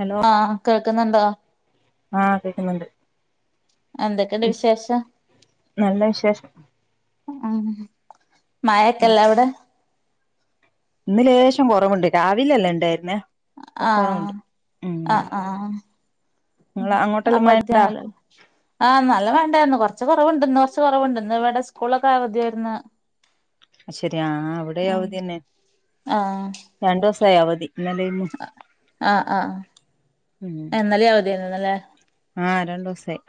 Hello ആഹ് കേൾക്കുന്നുണ്ടോ ആഹ് കേക്ക്‌ന്ന്ണ്ട് എന്തൊക്കെണ്ട് വിശേഷം നല്ല വിശേഷം അഹ് മയക്കല്ലവിടെ ഇന്ന് ലേശം കൊറവുണ്ട്, രാവിലല്ലെണ്ടേര്ന്നെ, ഇപ്പ ആഹ് കൊറവുണ്ട് ഉം ആഹ് ആഹ് ങ്ങള അങ്ങോട്ടെല്ല മയണ്ടാ അവധിയാണല്ലോ ആഹ് നല്ല മഴണ്ടായിരുന്നു. കൊർച്ച് കൊറവ്ണ്ട്, ഇന്ന് കൊർച്ച് കൊറവ്ണ്ട് ന്ന് വടെ സ്കൂളൊക്കെ അവധിയാര്ന്ന് അയ്ശരി, ആഹ് ഇവിടേം ഉം അവധിയന്നെ രണ്ടു ദിവസായി അവധി ഇന്നലെ ഇന്നും അഹ് ആഹ് ആഹ് ഉം ഏഹ് ഇന്നല്യും അവധിയേന്നൊ ഇന്നലെ ആഹ്, രണ്ടൂസായി.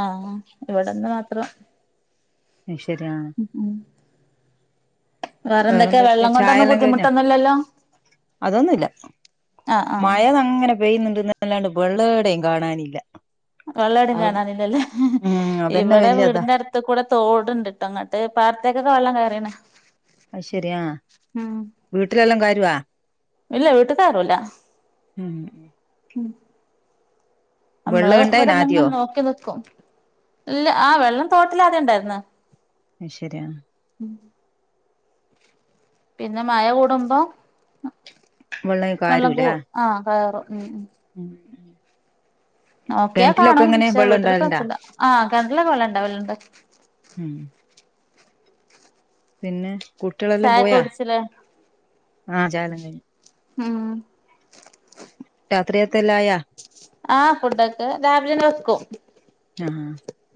ആഹ്, ഇവിടന്ന് മാത്രം അയ്ശെരി ആഹ്. ഉം, വേറെന്തൊക്കെ വെള്ളം കൊണ്ടൊന്നും ബുദ്ധിമുട്ടൊന്നുല്ലല്ലോ? അതൊന്നുല്ല. ആഹ് ആഹ് മഴദങ്ങനെ പെയ്യുന്ന്ണ്ട്ന്നല്ലാതെ ബെള്ളേടെയും കാണാനില്ല. വെള്ളേടേം അത് കാണാനില്ലല്ലേ, ഉം അതന്നെ ഇവടെ വല്യതാ വീടിന്റട് ത്ത്‌ കൂടെ തോട്ണ്ട്ട്ടോങ്ങട്ട് പാടത്തേക്കൊക്കെ വെള്ളം കയറീണ്. അയ്ശെരി ആഹ്, ഉം വീട്ടിലെല്ലാം കയറുവാ ഇല്ല വീട്ട് കയറൂല ഉം. ഉം, അമ്മള് വെള്ളം ഇണ്ടായിന ഇവടെന്നങ്ൻ ആദ്യോ നോക്കി നിക്കും. ഇല്ല. ആഹ് വെള്ളം തോട്ടിലാദ്യ ണ്ടാര്ന്ന് അയ്ശെരി. ആഹ് ഉം. പിന്നെ മഴ കൂടുമ്പോ അഹ് വെള്ളം കൂ ആഹ്, കയറും. ഉം, ഉം ഉം. നോക്കിയാ കിണറ്റിലൊക്കെ കാണും, ഇങ്ങനെ പക്ഷേ വെള്ളം വീട്ടില് ക [unintelligible] ഉണ്ടാവലുണ്ടാ ചണ്ട.... ആഹ് കിണറ്റിലൊക്കെ വെള്ളണ്ട് വെള്ളണ്ട് ഉം. പിന്നെ കുട്ട്യളെല്ലാം ചായൊക്കെ പോയാ? കുടിച്ചില്ലേ ആഹ് ചായലം കഴിഞ്ഞ് ആഹ്. രാത്രികത്തെ എല്ലാ ആയ? ആഹ്, ഫുഡൊക്കെ രാവിലന്നെ വെക്കും. ആ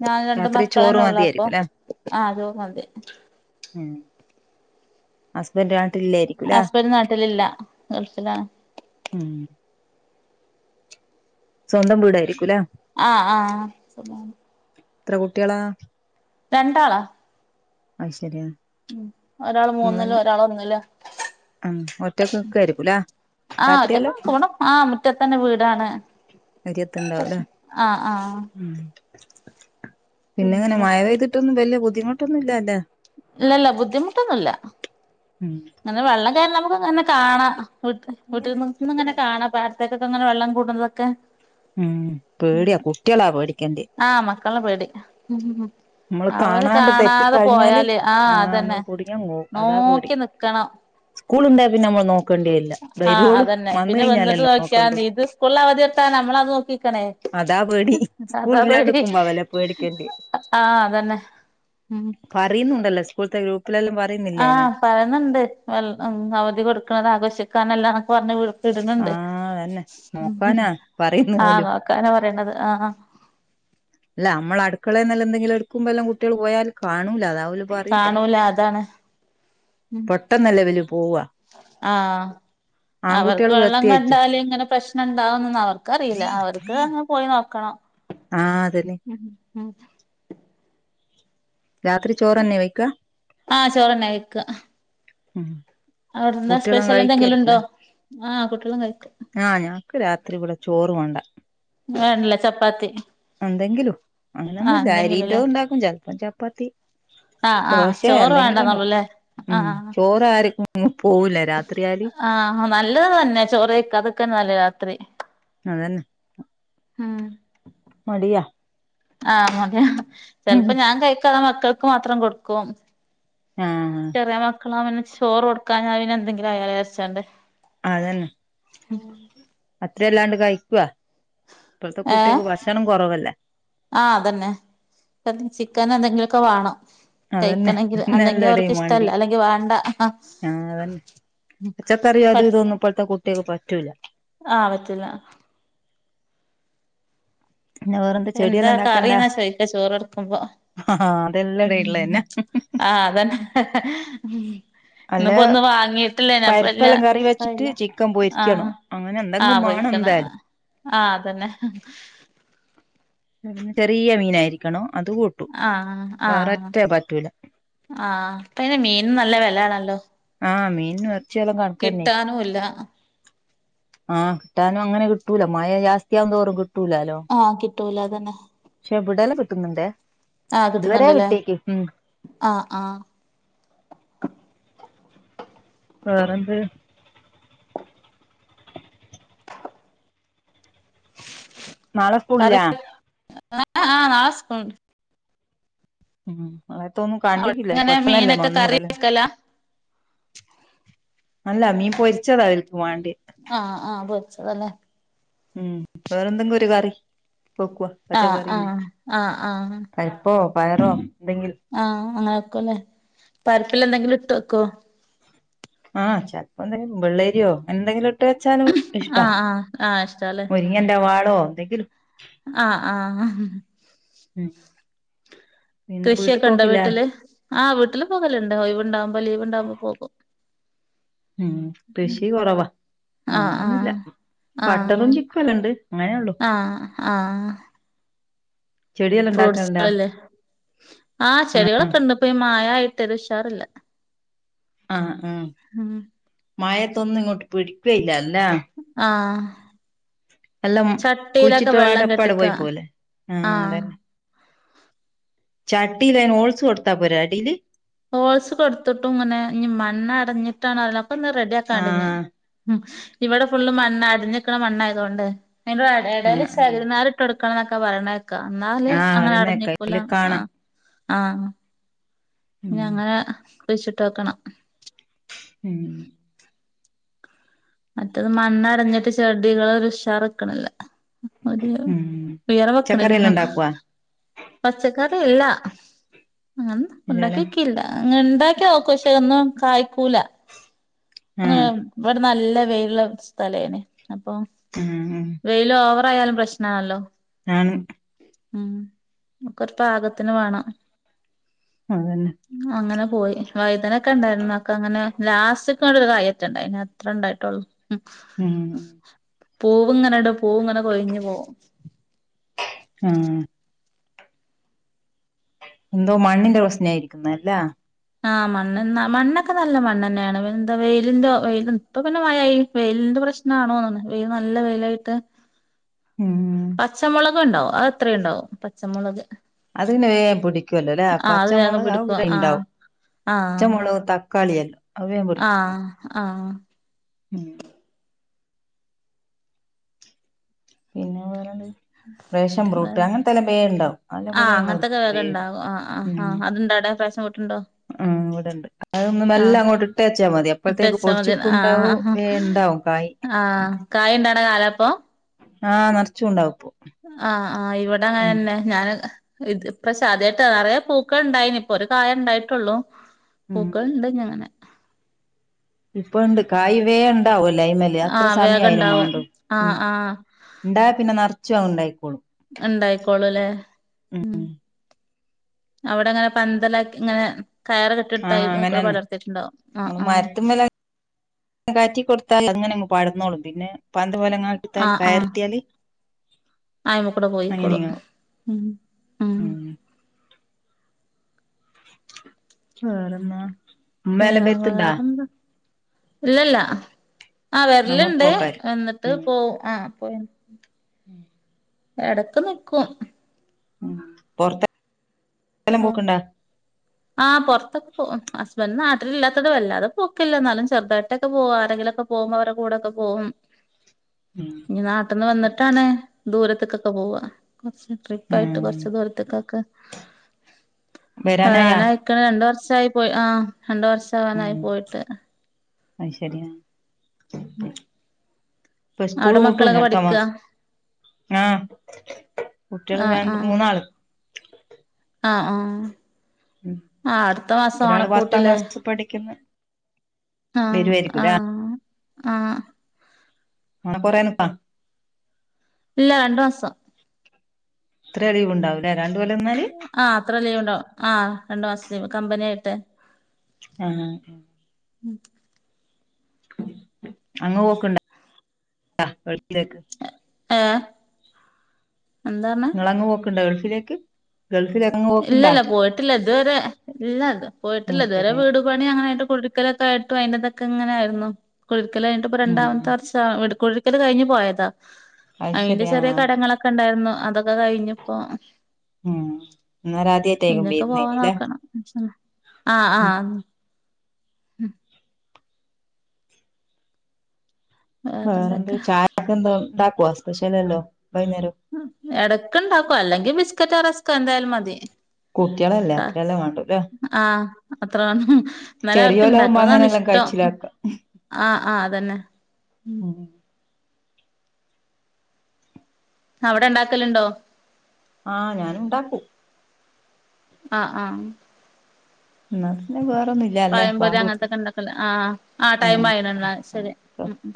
ഞാനു രണ്ട് രാത്രി ചോറ് മക്കളന്നെ ഉള്ളൂ അപ്പൊ. മതിയായിരിക്കുംല്ലേ ആഹ് ചോറ് മന്തി ഉം. ഹസ്ബൻഡ് നാട്ടിലില്ലായിരിക്കൂലേ, ഹസ്ബൻഡ് നാട്ടിലില്ല ഗൾഫിലാണ് ഉം. സ്വന്തം വീടായിരിക്കൂലെ ആഹ്, ആഹ്. സ്വന്താണ്. ത്ര കുട്ട്യാളാ. രണ്ടാളാ. അയ്ശെരി, ആഹ് ഉം, ഒരാള് മൂന്ന്ലു ഒരാള് ഒന്ന്ലാ ആ ഒറ്റക്ക് നിക്കായിരിക്കൂല്ലേ ആഹ് ഒറ്റക്ക രാത്രിയെല്ലാം പോണം ആഹ് മുറ്റത്തന്നെ വീടാണ്. കരിയത്തുണ്ടാവൂല്ലേ പ്രശ്‌നം. ആഹ്, ആഹ്. ഉം, പിന്നെ ഇങ്ങനെ പിന്നെന്താ മഴ പെയ്തിട്ടൊന്നും വെല്ല്യ ബുദ്ധിമുട്ടൊന്നുംല്ല്യ അല്ലേ? ഇല്ലല്ല ബുദ്ധിമുട്ടൊന്നുല്ല. ഉം ങ്ങനെ വെള്ളം കയറ്ന്നെ നമുക്ക്ങ്ങനെ കാണാ. വീട്ട് വീട്ടിൽന്ന് ന്ന് ങ്ങനെ കാണാ പാടത്തേക്കൊക്കെങ്ങനെ വെള്ളം കൂട്ന്നതൊക്കെ ഉം ഉം, പേടിയാ കുട്ടികളാ പേടിക്കേണ്ടേ ആഹ് മക്കളല്ലാം പേടി. ഉം നമ്മള് അവര് കാണാണ്ട് കാണാതെ തെറ്റിക്കഴിഞ്ഞാല് പോയാല്, ആഹ് ആ അതന്നെ നമ്മള് കുടുങ്ങിയങ്ങ് പോവും അതാ പേടി നോക്കി നിക്കണം. സ്കൂൾ ഉണ്ടായ പിന്നെ നമ്മൾ നോക്കേണ്ടിയില്ല ആഹ്. വരുവോളൂ അതന്നെ വന്ന് പിന്നെ വന്ന്ട്ട് കഴിഞ്ഞാലല്ലോ നോക്കണ്ടു നോക്കിയാതി. ത് കൊള്ളാ വതിർട്ടാ നമ്മളത് നോക്കിക്കണെ അതാ പേടി സ്കൂൾ അതാപേടി. ഇല്ലാണ്ട്ക്കുമ്പോ അവലെ പേടിക്കേണ്ടി ആഹ് അതന്നെ. ഉം. പറീന്നുണ്ടല്ലോ സ്കൂൾത്തെ ഗ്രൂപ്പിലെല്ലാം പാ ആഹ് പറയുന്നുണ്ട് അവധി കൊടുക്കണത് ആഘോഷിക്കാൻ എല്ലാക്കെ പറഞ് വി - വിടുന്നുണ്ട് ആഹ് അതന്നെ നോക്കാനാ പറയുന്നു ആഹ് ഓലും നോക്കാനാ പറയണത് ആഹ് അല്ല നമ്മള് അടുക്കളെ നിന്ന് എന്തെങ്കിലും എടുക്കുമ്പോ എല്ലാം കുട്ടികള് പോയാല് കാണൂല അതാ - കാണൂല അതാണ് പെട്ടെന്നല്ലേ ഇവല് പോവാ ആഹ് അവർക്ക് ആൺകുട്ടികള് വെള്ളം പ്രത്യേകിച്ചും കണ്ടാലും ഇങ്ങനെ പ്രശ്നം ഇണ്ടാവും എന്നൊന്നും അവർക്ക് അറിയില്ല അവർക്ക്- പോയി നോക്കണം ആഹ് അത് തന്നെ ഉം ഉം [unintelligible] രാത്രി ചോറ് തന്നെയാ വെയ്ക്കാ ആഹ് ചോറ് തന്നെ വെയ്ക്കു ഉഹ [unintelligible] അവിടെ എന്താ സ്പേഷ്യല് എന്തെങ്കിലും ഇണ്ടോ ആഹ് കുട്ടികളും കഴിക്കും ആഹ് ഞങ്ങക്ക് രാത്രി ഇവിടെ ചോറ് വേണ്ട വേണ്ട അല്ലേ ചപ്പാത്തി എന്തെങ്കിലും ആഹ് അങ്ങനെയൊന്നുയില്ല അരിയിട്ടും എന്തെങ്കിലുംല്ലേ ഒണ്ടാക്കും ചെലപ്പം ചപ്പാത്തി- ആഹ് ആഹ് ദോശയൊ ചോറ് എന്തെങ്കിലും ഒണ്ടാക്കും വേണ്ടന്നള്ളൂല്ലേ ഉം ആഹ് ചൊ - ഇവിടെ ആർക്കും ഒന്നും പോകില്ല രാത്രിയായാല് ആഹ് ആഹ് നല്ലത് തന്നെ ചോറ് കഴിക്കാതിരിക്കുന്നതാണ് രാത്രി അത് തന്നെ ആഹ് മടിയാ ആഹ് മതിയാ ചെലപ്പോ ഞാൻ കഴിക്കാതെ മക്കൾക്ക് മാത്രം കൊടുക്കും ആഹ് കൊറേ മക്കള് ചോറ് കൊടുക്കാ ഞാൻ വെ [unintelligible] ന്തങ്കിലും അയ അരിച്ചോണ്ട് അത് തന്നെ അത്രയല്ലാണ്ട് കഴിക്കുവ ഇപ്പഴത്തെ ഏഹ് കുട്ടികക്ക് ഭക്ഷണം കൊറവല്ല ആഹ് തന്നെ ചിക്കന് എന്തെങ്കിലുമൊക്കെ വേണം അതന്നെ കഴിക്കണെങ്കിൽ അല്ലെങ്കി പിന്നെല്ലട അവർക്ക് മാണ്ടി ഇഷ്ടല്ല അല്ലെങ്കി വേണ്ട പച്ചക്കറി അത് ഇതൊന്നും ഇപ്പോഴത്തെ കുട്ടികക്ക് പറ്റൂല്ല ആ ആവത്തില്ല പിന്നെ വേറെന്താ എന്താ ചെടിയെല്ലാം ഉണ്ടാക്കണ്ട കറിന്നാ ചോയ്ക്ക ചോറെടുക്കുമ്പോ ആ അതെല്ലാടോം ഉള്ളത് ഉം തന്നെ ആഹ് അത് തന്നെ അല്ല ഇന്നിപ്പോ ഒന്നും വാങ്ങിട്ടില്ല പരിപ്പെല്ലാം ഞാൻ കറി വെച്ചിട്ട് ഇഷ്ടായില്ല ചിക്കൻ പൊരിക്കണം ആഹ് അങ്ങനെ എന്തെങ്കും ആഹ് വേണം പോയിക്കണ് ആഹ് എന്തായാലും ആ തന്നെ ചെറിയ മീനായിരിക്കണം അത് കൂട്ടും ആഹ് വേറെ ആഹ് മറ്റേ പറ്റൂല ആഹ് ഇപ്പ മീനും നല്ല വെലയാണല്ലോ ആഹ് മീനിന്നും എറച്ചിയും ഒക്കെ കണക്ക് തന്നെ കിട്ടാനുല്ല ആഹ് കിട്ടാനും അങ്ങനെ കിട്ടൂല മഴ ജാസ്തിയാകും തോറും കിട്ടൂലാലോ ആഹ് കിട്ടൂല അത് തന്നെ പക്ഷെ ഇവുടെലെ കിട്ടുന്നുണ്ട് ആഹ് കിട്ടുന്നുണ്ടല്ലേ ആഹ് ആഹ് വേറെ എന്തര് നാളെ സ്കൂള് ഇല്ല കറി ആഹ് ആഹ നാളെ സ്കൂൾ ഒണ്ട് ഉം അളത്തൊന്നും കണ്ടിട്ടില്ല അവിടെങ്ങനെ പെട്ടെന്നല്ലേ മീനൊക്കെ കറി വന്നൂടലേ വെക്കലാ അല്ല മീൻ പൊരിച്ചതാ അവൽക്ക് വാണ്ടി ആഹ് ആഹ് പോളിച്ചത ല്ലേ ഉം വേറെ എന്തെങ്കും ഒരു കറി വെക്കുവ ആഹ് ആഹ് ആഹ് ആഹ് പരിപ്പോ പയറോ എന്തെങ്കിലും ആഹ് അങ്ങനെ വക്കല്ലേ പരിപ്പിൽ എന്തെങ്കിലും ഇട്ട് വെക്കോ ആഹ് ചെൽപ്പോ എന്തെങ്കിലും വെള്ളേരിയോ എന്തെങ്കിലും ഇട്ട് വെച്ചാല് ആഹ് ആഹ് ആഹ് ഇഷ്ടാ ലേ ങ്ങന്റെ വാളോ എന്തെങ്കിലും ആഹ് ആഹ് ആ ഉം പിന്നെ വീട്ടി കൃഷിയൊക്കെ ണ്ടോ പോക്കില്ലേ വീട്ടില് ആ വീട്ടില് പോകലുണ്ട് ഒ ഴ് വ് ണ്ടാകുമ്പം ലീവ്ണ്ടകുമ്പം പോകും ഉം കൃഷി കുറവാ ആഹ് ആഹ് അങ്ങനെയൊന്നുല്ല ബട്ടറും ആഹ് ചിക്കു ല്ലാ ഇണ്ട് അങ്ങനെയള്ളു ആഹ് ആഹ് ഫ്രൂട്ട്സുകളല്ലേ ആഹ് ചെടികളൊക്കെ ഇണ്ട് ഇപ്പ ഈ മാഴാ യിട്ടൊര് ഉഷാറില്ല ആഹ് ആഹ് ഉം മഴത്തൊന്നും ഇങ്ങോട്ട് പിടിക്കുയില്ല ല്ലേ ആഹ് എല്ലാം ചട്ടിയിലൊക്കെ കുഴിച്ചിട്ട പാടെ വെള്ളം അപ്പാടെ കെട്ടിക്ക പോയി പോവല്ലേ ആഹ് ചട്ടിയിലന് ഓൾസ് കൊടുത്താ പോരേ അടീല് ഹോൾസ് കൊടുത്തിട്ടും ഇങ്ങനെ ഇനി മണ്ണ് അടഞ്ഞിട്ടാണ്റീല ഒക്കെന്ന് റെഡി ആക്കാണ്ട് ഇഞ്ഞ് ആഹ് ഉം ഇവിടെ ഫുള്ള് മണ്ണ് അടിഞ്ഞ്ക്ക്ണ മണ്ണായതുകൊണ്ട് അയിന്റെ എടേല് ആഹ് ആഹ് ശകിരി നാര് ട്ട് കൊടുക്കണം ന്നൊക്കെ പറിണേക്കാ ന്നാല് ആഹ് അങ്ങനെ പറയുന്ന അടഞ്ഞ് കേക്കാം ക്കൂല അതില് കാണാം ആഹ് ആഹ് ഇഞ്ഞ് ഉം അങ്ങനെ കുഴിച്ച് ട്ട് ഓക്കണ്ണം ഉം മറ്റത് മണ്ണടഞ്ഞിട്ട് ചെടികളൊര് ഉഷാർ ക്ക്ണ്ല്ല അതെ ഉം ഉയര പച്ചക്കറി എല്ലാം വെക്ക്ണ്ല്ല ഉണ്ടാക്കുവാ പച്ചക്കറി ഇല്ല അങ്ങനെ ഇല്ലാലോ ഉണ്ടാക്കിക്കില്ല അങ്ങ ഉണ്ടാക്കി നോക്കും പക്ഷേ ഒന്നും കായ്ക്കൂല അങ്ങന ആഹ് ഇവിടെ നല്ല വെയില്ള്ള സ്ഥലേ നി അപ്പം ആഹ് വെയില് ഓവറായാലും പ്രശ്നാണല്ലോ ആണ് ഉം ഒക്കെ ര് പാകത്തിന് വാണം അതന്നെ അങ്ങനെ പോയി വൈതനൊക്കെ ഉണ്ടായിരുന്നു ഒക്കെ അങ്ങനെ ലാസ്റ്റ്ക്കാണ്ട് ഒരു കായന്റെ ഇണ്ടായി നി അത്ര ണ്ടായിട്ടൊള്ളൂ ഉം ഉം പൂവ് ങ്ങനെ ടും പൂവ് ങ്ങനെ കൊഴിഞ്ഞ് പോവും ആഹ് എന്തോ മണ്ണിന്റെ പ്രശ്നായിരിക്കുന്ന ല്ല ആഹ് മണ്ണ് ന്നാ മണ്ണൊക്കെ നല്ല മണ്ണ് തന്നെയാണ് എന്താ വെയിലിന്റെ വെയില ഇപ്പൊ പിന്നെ മഴായി വെയിലിന്റെ പ്രശ് ഞ്ഞാണ് ഓന്ന്ണ് വെയില് നല്ല വെയിലായിട്ട് ഉം പച്ചമുളക് ണ്ടാവും അത് എത്രിണ്ടാവും പച്ചമുളക് അത് ന്നെ വേ പിടിക്കുല്ലോ ലേ ആഹ് അത് വേഗം പച്ചമുളക് അഹ് പിടിക്കും ഇവിടെ ഉണ്ടാവും ആഹ് പച്ചമുളക് തക്കാളി എല്ലാം ആഹ്‌ ആഹ്‌ ഉം പിന്നെ വേറെന്ത് ഫാഷൻ ഫ്രൂട്ട് അങ്ങനത്തെല്ല വ ഹോണ്ടാവും അല്ല ആഹ് ഇവിടെണ്ട അങ്ങനത്തൊക്കെ വേ വേഗം ഉണ്ടോ ആ ഇവിടെണ്ട് അതൊന്നും എല്ലാം അങ്ങോട്ട് ഇട്ടച്ചാ മതി എപ്പോഴത്തേക്ക് ഇട്ടച്ചാ പൊടിച്ചുക്ക ഉണ്ടാവും വ ഉണ്ടാവും കായ് ആഹ്‌ കായ ഇണ്ടാണ കാലപ്പൊ ആഹ് നറച്ചുണ്ടാവും ആഹ് ആഹ്‌ ഇവിടെ അങ്ങനെന്നെ ഞാൻ ഇത് പ്രശാദ്യായിട്ട് നിറയ പൂക്കൾ ഇണ്ടായിന് ഇപ്പൊ ഒരു കായ ഉണ്ടായിട്ടുള്ളു ഉം പൂക്കൾ ഉണ്ട് അങ്ങനെ ഇപ്പ ഇണ്ട് കായ വേ ഉണ്ടാവോ ലൈമല് അത്ര ആഹ് വേഗം സമയായി ഇണ്ടാവും മേണ്ടും ആഹ് ഉ ആഹ് ഉണ്ടായ പിന്നെ നിറച്ചു അ ഉണ്ടായിക്കോളും ഉണ്ടായിക്കോളൂ അല്ലേ ഉം അവിടെ അങ്ങനെ പന്തലാക്കി ഇങ്ങനെ കയറ ആഹ് കെട്ടിടുത്തായി കൂടെ അങ്ങനെന്നെ പടർത്തിയിട്ടുണ്ടോ ആഹ് ആഹ് കാറ്റിക്ക കൊടുത്താൽ അങ്ങനെങ്ങ് പാടർന്നോളും പിന്നെ പന്ത് പോലെങ്ങിത്താൽ കയർത്തിയാല് ആയിമ കൂടെ പോയിക്കോളും ഉം ഉം വേറെന്നാ ഉമ്മേല ബത്തണ്ടാ വേറെന്താ ഇല്ലല്ല ആ അങ്ങോട്ട് വരലുണ്ടേ പോക്കായിരിക്കും എന്നിട്ട് പോ ആഹ് പോയി [inaudible] എടക്ക് നിക്കും ഉം പൊറത്തെല്ലാം പോക്കണ്ട ആഹ് പുറത്തൊക്ക പോ ഹസ്ബൻ് നാട്ടിലില്ലാത്തട വല്ലാതത് പൊക്കില്ല എന്നാലും ചെറുതട്ടക്കെ പോവാ ആരെങ്കിലുംക്കെ പോകുമ്പോ അവരുടെ കൂടെക്കെ പോകും [inaudible] ഇനി നാട്ടിന്ന് വന്നിട്ടാണ് ദൂരത്തേക്കൊക്കെ പോവ കുറ ട്രിപ്പ ആയിട്ട് ഉം കൊറച്ച ദൂരത്തേക്കൊക്കെ വരാനായാ രണ്ട വർഷയി പോയി ആ രണ്ട വർഷവാനായി പോയിട്ട് ആതു ശരിയാ ഉം ഇപ്പ സ്കൂള പൂട്ടുലെ അടുത്ത മാസ ആഹ് കുട്ടികൾ ആഹ് രണ്ട് ആഹ് മൂന്നാള് ആഹ് ആഹ് ഉം ആ അടുത്ത മാസ ആണെ പൂട്ടില്ലേ പഠിക്കുന്നെ ആഹ് ആഹ് ആഹ് ആ പൊറെനി പ്പാ ഇല്ല രണ്ടു മാസം ഇത്ര ലീവ്ണ്ടാവില്ലേ രണ്ട് കൊല്ലം നിന്നാല് ആ അത്ര ലീവ് ഉണ്ടാവുംആ രണ്ടു മാസം ലീവ് കമ്പനി ആയിട്ട് ആഹ് അഹ് അങ്ങ് പോക്കണ്ട [inaudible] ഏഹ്. എന്താർഞ്ഞെ നിങ്ങളങ്ങ് പോക്ക്ണ്ടോ ഗൾഫിലേക്ക് ഗൾഫിലേ ഇല്ല ല്ല പോയിട്ടില്ല ഇത്‌വരെ ഇല്ല ഇത് പോയിട്ടില്ല ഉം ഇതുവരെ ശരിയാ വീടും പണി അങ്ങനായിട്ട് കുടിരിക്കലൊക്കെ ആയിട്ടും അയ്ന്റതൊക്കെ ഇങ്ങനെ ആയിരുന്നു കുടിരിക്കൽ കഞ്ഞട്ട്പ്പ ഉം രണ്ടാമത്തെ വർ [unintelligible] കുടിരിക്കൽ കഴിഞ് പോയതാ അത് അയ്ന്റെ ശരി ആ ചെറിയ കടങ്ങളൊ ക്ക ണ്ടാര്ന്നു അതൊക്ക കയ്ഞ്പ്പോ ഉം ഇന്നേരം ആദ്യയിറ്റേക്കും ഇനിയൊക്കെ വര്ന്നത് പോവാൻ ല്ലേ നോക്കണം ആഹ് ആഹ് വേറെന്ത് വേറെന്തൊക്കെ ചായകൊക്കെ എന്താ ഇണ്ടാകോ സ്പഷ്യലല്ലോ വൈന്നേരം എടക്ക് ഇണ്ടാകും അല്ലെങ്കി ബിസ്ക്കറ്റൊ റസ്ക്കോ എന്താലും മതി കുട്ടികളല്ലേ ക്ക അത്രയെല്ലാം വേണ്ടൂല്ലേ ആഹ് അത്രണം ന്നാലും അവർക്ക് ചെറിയോലാവുമ്പോ ഇണ്ടാക്ക്ണതാണ് അങ്ങനെല്ലാം ഇഷ്ടം കഴിച്ചിലാക്കാം ആഹ് ആഹ് അതന്നെ ഉം അവടെ ഇണ്ടാക്കല്ണ്ടോ ആഹ് ഞാൻ ഉണ്ടാക്കും ആഹ് ആഹ് ന്നാ പിന്നെ വേറൊന്നും ഇ പയം പൊരി അങ്ങൻത്തൊക്കെ ഇണ്ടാക്കല്ലേ ആഹ് ആഹ് ആ ടൈം ആഹ് ആയിണു ഇന്നാ ശരി ആഹ് ഉം ഉം